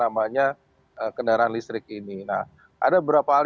dalam fakta fakta sekolah fluorologis saat ini kita membutuhkan penebag hal tersebut